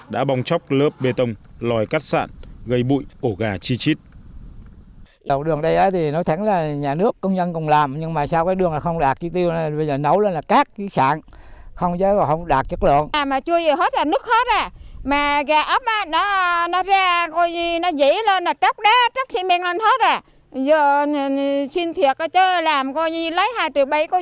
đã bong chóc lớp bê tông lòi cắt sạn gây bụi ổ gà chi chít